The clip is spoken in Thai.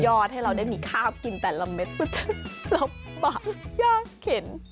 เพื่อให้เราได้มีคาบกินแต่ละเม็ดรอบปากยางเข็น